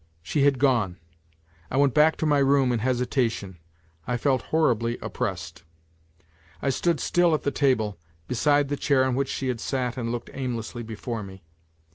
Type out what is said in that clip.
She had gone. I went back to my room in hesitation. I felt horribly oppressed. I stood still at the table, beside the chair on which she had sat and looked aimlessly before me.